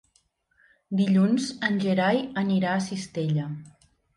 Dilluns en Gerai anirà a Cistella.